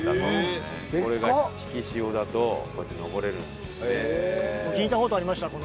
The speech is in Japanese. これが引き潮だとこうやって登れるんです。